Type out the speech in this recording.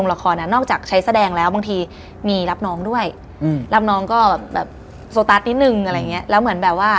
อาจจะมีบางอย่างกำลัง